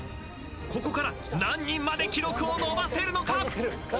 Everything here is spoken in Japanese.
ここから何人まで記録を伸ばせるのか！？